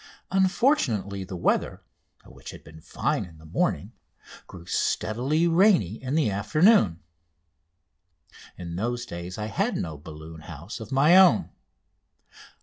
Unfortunately, the weather, which had been fine in the morning, grew steadily rainy in the afternoon. In those days I had no balloon house of my own.